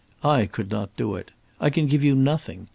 I could not do it. I can give you nothing.